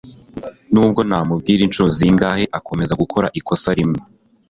nubwo namubwira inshuro zingahe, akomeza gukora ikosa rimwe